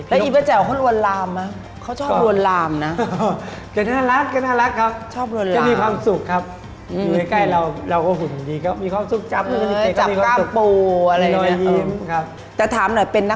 แล้วอี๊ปป้าแจ๋วเขารวนรามมั้ยเขาชอบรวนรามนะ